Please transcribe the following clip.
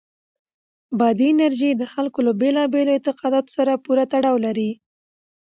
بادي انرژي د خلکو له بېلابېلو اعتقاداتو سره پوره تړاو لري.